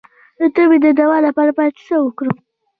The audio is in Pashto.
د تبې د دوام لپاره باید څه وکړم؟